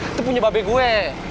itu punya babek gue